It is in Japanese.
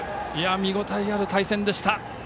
見応えある対戦でした。